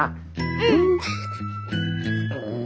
うん！